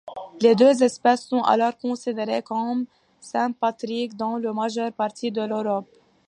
Les deux espèces sont alors considérées comme sympatriques dans la majeure partie de l'Europe.